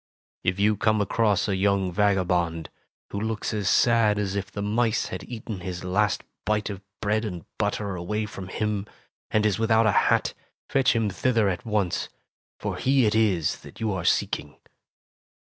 "If you come across a young vagabond^ who looks as sad as if the mice had eaten his last bite of bread and butter away from him, and is without a hat, fetch him thither at once, for he it is that you are seeking."